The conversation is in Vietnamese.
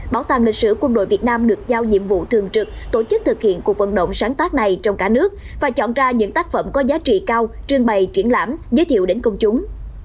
bảo tàng lịch sử quân đội việt nam được giao nhiệm vụ thường trực tổ chức thực hiện cuộc vận động sáng tác này trong cả nước và chọn ra những tác phẩm có giá trị cao trương bày triển lãm giới thiệu đến công chúng